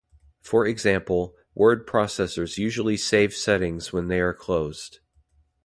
For example, word processors usually save settings when they are closed.